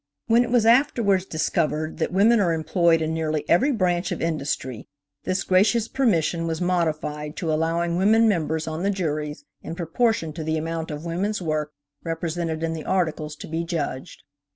When it was afterwards discovered that women are employed in nearly every branch of industry, this gracious permission was modified to allowing women members on the juries in proportion to the amount of women's work represented in the articles to be judged.